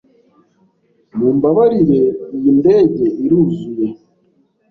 Mumbabarire, iyi ndege iruzuye.